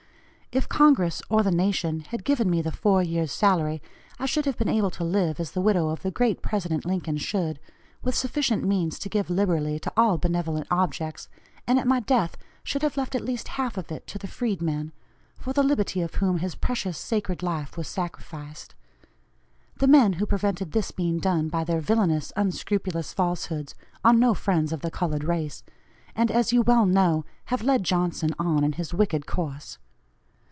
If Congress, or the Nation, had given me the four years' salary, I should have been able to live as the widow of the great President Lincoln should, with sufficient means to give liberally to all benevolent objects, and at my death should have left at least half of it to the freedmen, for the liberty of whom his precious sacred life was sacrificed. The men who prevented this being done by their villanous unscrupulous falsehoods, are no friends of the colored race, and, as you well know, have led Johnson on in his wicked course.